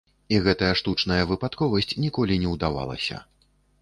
І гэтая штучная выпадковасць ніколі не ўдавалася.